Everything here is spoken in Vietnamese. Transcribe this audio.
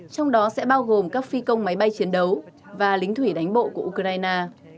trong đó sẽ bao gồm các phi công máy bay chiến đấu và lính thủy đánh bộ của ukraine